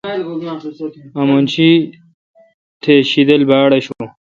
آمن شی تہ شیدل باڑآشون۔